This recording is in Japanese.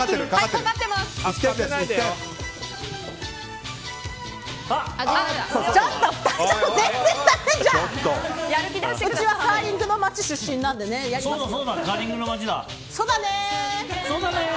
こっちはカーリングの街出身なのでやりますよ。